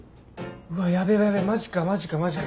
うわやべえやべえマジかマジかマジか。